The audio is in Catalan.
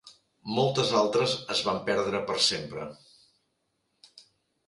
Moltes altres es van perdre per sempre.